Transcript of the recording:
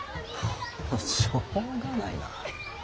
しょうがないな。